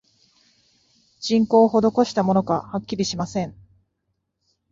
人工をほどこしたものか、はっきりしません